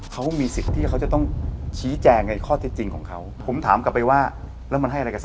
เขามีสิทธิ์ที่จะต้องชี้แจกในข้อ